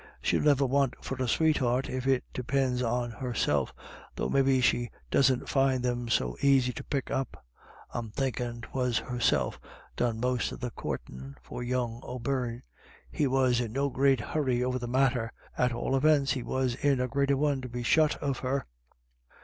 u Shell niver want for a sweetheart, if it depinds on herself, though maybe she doesn't find them so aisy to pick up. I'm thinkin' 'twas herself done most of the coortin* for young O'Bcirne ; he was in no great hurry over the matter — at all evints he was in a greater one to be shut of her."